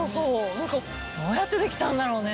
何かどうやって出来たんだろうね？